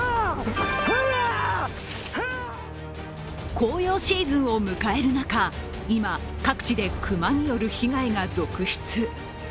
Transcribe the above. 紅葉シーズンを迎える中、今、各地で熊による被害が続出。